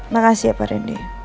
makasih ya pak rendy